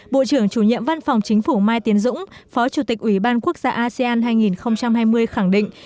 bộ trưởng chủ nhiệm văn phòng chính phủ mai tiến dũng phó chủ tịch ủy ban quốc gia asean hai nghìn hai mươi khẳng định